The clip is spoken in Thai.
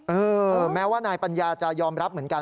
แม้ว่านายปัญญาจะยอมรับเหมือนกัน